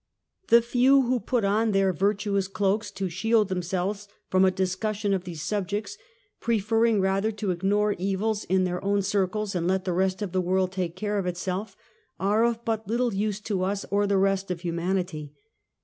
The few who put on their virtuous cloaks to shield themselves from a discussion of these subjects, pre ferring rather to ignore evils in their own circles and let the rest of the world take care of itself, are of but little use to us or the rest of humanity.